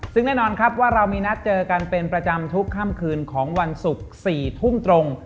ซึ่งแน่นอนครับว่าเรามีนัดเจอกันเป็นประจำทุกค่ำคืนของวันศุกร์๔ทุ่มตรง